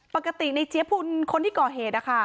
ปกตินายเจี๊ยบคนที่เก่าเหตุ